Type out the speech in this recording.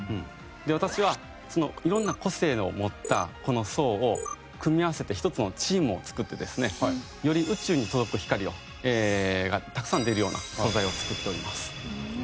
私はそのいろんな個性を持ったこの層を組み合わせて一つのチームを作ってですねより宇宙に届く光がたくさん出るような素材を作っております。